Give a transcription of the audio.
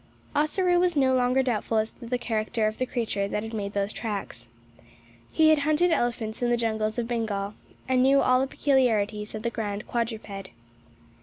Ossaroo was no longer doubtful as to the character of the creature that had made those tracks. He had hunted elephants in the jungles of Bengal, and knew all the peculiarities of the grand quadruped.